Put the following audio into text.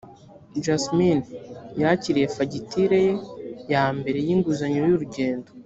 jasmin yakiriye fagitire ye ya mbere y inguzanyo y urugendo